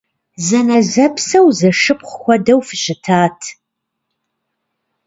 Зэнэзэпсэу, зэшыпхъу хуэдэу фыщытат!